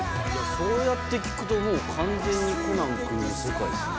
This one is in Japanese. そうやって聴くと、もう完全にコナン君の世界ですね。